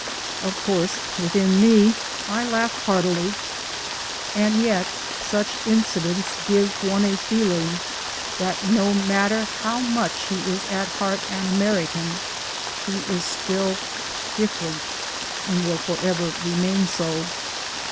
Of course within me I laughed heartily. And yet such incidents give one a feeling that no matter how much he is at heart an American, he is still different and will forever remain so.